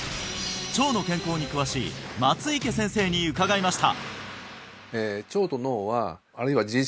腸の健康に詳しい松生先生に伺いました